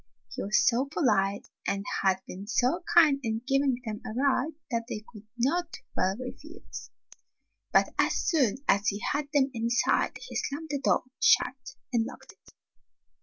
He was so polite and had been so kind in giving them a ride that they could not well 110 Fairy Tale Foxes refuse. But as soon as he had them inside he slammed the door shut and locked it.